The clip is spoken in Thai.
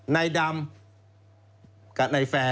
นายดำกับนายแฟร์